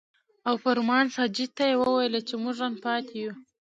او فرمان ساجد ته يې وويل چې مونږ نن پاتې يو ـ